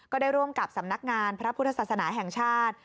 ได้ร่วมกับสำนักงานพระพุทธศาสนาแห่งชาติ